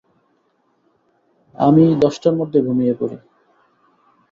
আমি দশটার মধ্যে ঘুমিয়ে পড়ি।